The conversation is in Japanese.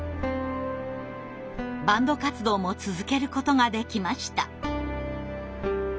バンド活動も続けることができました。